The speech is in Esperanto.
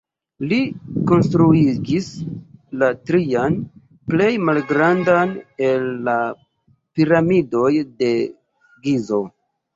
Li konstruigis la trian, plej malgrandan el la Piramidoj de Gizo.